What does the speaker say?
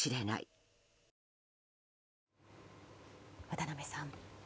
渡辺さん。